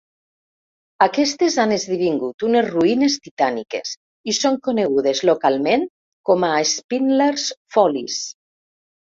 Aquestes han esdevingut unes ruïnes titàniques i són conegudes localment com a "Spindler's Follies".